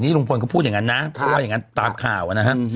ลุงพลเขาพูดอย่างนั้นนะเพราะว่าอย่างนั้นตามข่าวนะฮะ